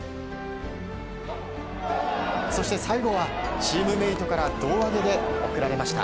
そして最後はチームメートから胴上げで送られました。